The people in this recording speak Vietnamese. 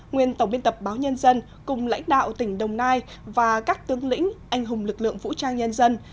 nguyên tổng biên tập báo nhân dân cùng lãnh đạo tỉnh đồng nai và các tướng lĩnh anh hùng lực lượng vũ trang nhân dân